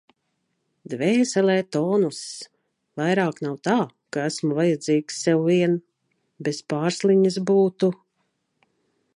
Dvēselē tonuss. Vairāk nav tā, ka esmu vajadzīgs sev vien. Bez Pārsliņas būtu...